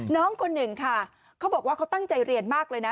น้องคนหนึ่งค่ะเขาบอกว่าเขาตั้งใจเรียนมากเลยนะ